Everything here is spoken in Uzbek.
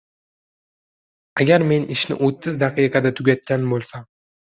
Agar men ishni o‘ttiz daqiqada tugatgan boʻlsam.